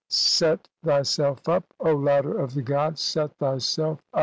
"Set thyself up, O ladder of the god, set thyself up, i.